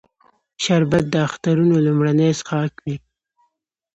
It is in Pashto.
شربت د اخترونو لومړنی څښاک وي